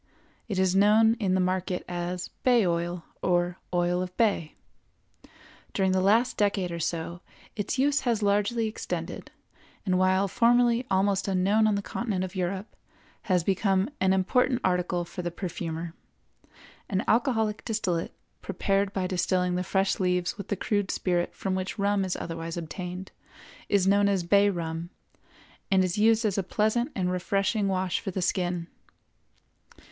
It is known in the market as bay oil or oil of bay. During the last decade or so its use has largely extended, and, while formerly almost unknown on the continent of Europe, has become an important article for the perfumer. An alcoholic distillate, prepared by distilling the fresh leaves with the crude spirit from which rum is otherwise obtained, is known as bay rum, and is used as a pleasant and refreshing wash for the skin.